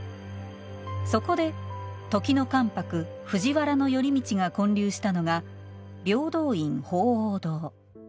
そこで、時の関白、藤原頼通が建立したのが平等院鳳凰堂。